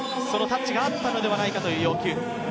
タッチがあったのではないかという要求。